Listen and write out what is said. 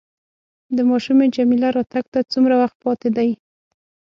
د ماشومې جميله راتګ ته څومره وخت پاتې دی؟